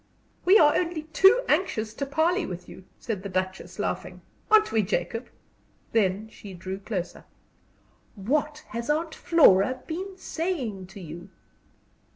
"We are only too anxious to parley with you," said the Duchess, laughing. "Aren't we, Jacob?" Then she drew closer. "What has Aunt Flora been saying to you?"